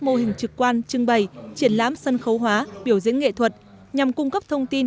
mô hình trực quan trưng bày triển lãm sân khấu hóa biểu diễn nghệ thuật nhằm cung cấp thông tin